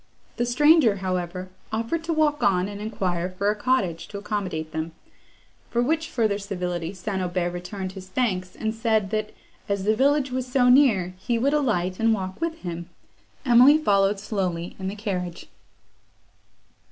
The stranger, however, offered to walk on, and enquire for a cottage to accommodate them; for which further civility St. Aubert returned his thanks, and said, that, as the village was so near, he would alight, and walk with him. Emily followed slowly in the carriage.